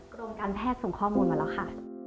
กรมการแพทย์ส่งข้อมูลมาแล้วค่ะ